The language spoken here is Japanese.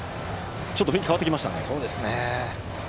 ちょっと雰囲気変わってきました。